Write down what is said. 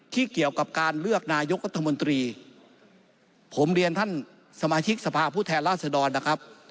เกี่ยวกับการเลือกนายกรัฐมนตรีผมเรียนท่านสมาชิกสภาพผู้แทนราษฎรนะครับ